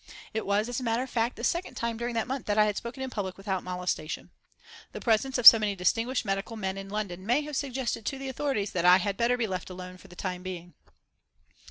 It was, as a matter of fact, the second time during that month that I had spoken in public without molestation. The presence of so many distinguished medical men in London may have suggested to the authorities that I had better be left alone for the time being.